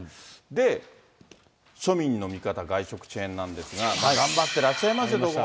で、庶民の味方、外食チェーンなんですが、頑張ってらっしゃいますよ、どこも。